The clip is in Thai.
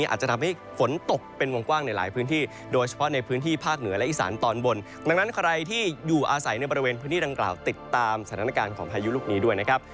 อาจจะทำให้ฝนตกเป็นวงกว้างในหลายพื้นที่โดยเฉพาะในพื้นที่ภาคเหนือและอีสานตอนบนดังนั้นใครที่อยู่อาศัยในบริเวณพื้นที่ดังกล่าวติดตามสถานการณ์ของพายุลูกนี้ด้วยนะครับ